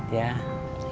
tapi mama istirahat ya